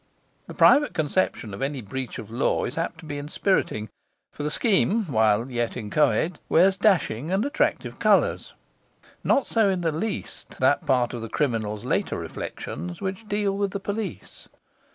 The private conception of any breach of law is apt to be inspiriting, for the scheme (while yet inchoate) wears dashing and attractive colours. Not so in the least that part of the criminal's later reflections which deal with the police.